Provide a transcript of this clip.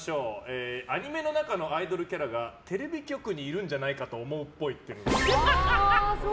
アニメの中のアイドルキャラがテレビ局にいるんじゃないかと思うっぽい。